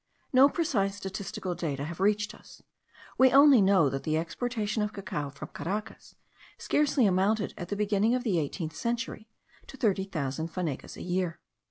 No precise statistical data have reached us: we only know that the exportation of cacao from Caracas scarcely amounted, at the beginning of the eighteenth century, to thirty thousand fanegas a year.